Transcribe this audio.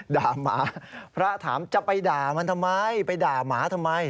หมาพระถามจะไปด่ามันทำไมไปด่าหมาทำไม